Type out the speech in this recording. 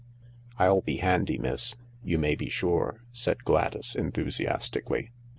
" I'll be handy, miss, you may be sure," said Gladys enthusiastically.